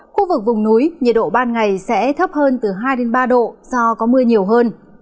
khu vực vùng núi nhiệt độ ban ngày sẽ thấp hơn từ hai ba độ do có mưa nhiều hơn